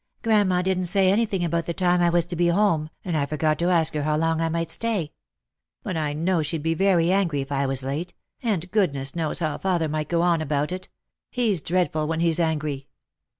" Grandma didn't say anything about the time I was to be home, and I forgot to ask her how long I might stay. But I Lost for Love. 107 know she'd be very angry if I was late ; and goodness knows how father might go on about it. He's dreadful when he's angry."